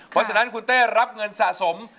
เพราะฉะนั้นคุณเต้รับเงินสะสม